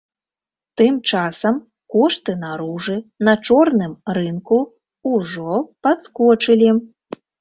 Тым часам, кошты на ружы на чорным рынку ўжо падскочылі.